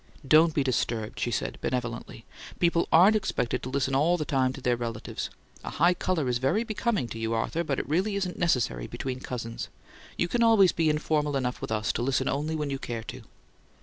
"Don't be disturbed," she said, benevolently. "People aren't expected to listen all the time to their relatives. A high colour's very becoming to you, Arthur; but it really isn't necessary between cousins. You can always be informal enough with us to listen only when you care to."